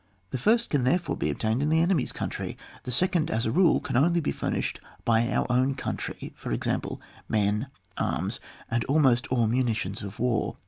The first can therefore be obtained in the enemy's country ; the second, as a rule, can only be furnished by our own country, for example men, arms, and almost all munitions of war.